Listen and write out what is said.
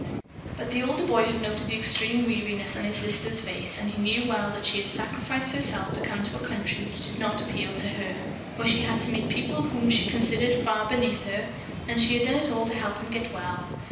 But the older boy had noted the extreme weariness on his sister's face. He well knew that she had sacrificed herself to come to a country which did not appeal to her; where she had to meet people whom she considered far beneath her, and she had done it all to help him get well.